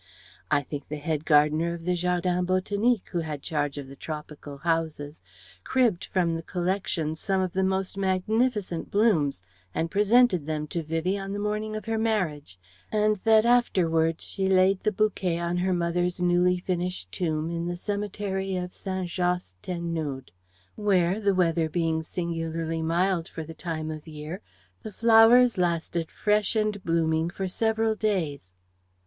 I think the head gardener of the Jardin Botanique who had charge of the Tropical houses cribbed from the collections some of the most magnificent blooms, and presented them to Vivie on the morning of her marriage; and that afterwards she laid the bouquet on her mother's newly finished tomb in the cemetery of St. Josse ten Noode, where, the weather being singularly mild for the time of year, the flowers lasted fresh and blooming for several days.